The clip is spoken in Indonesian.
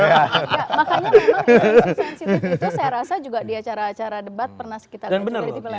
makanya memang itu sensitif itu saya rasa juga di acara acara debat pernah kita lihat juga